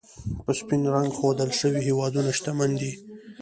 په سپین رنګ ښودل شوي هېوادونه، شتمن دي.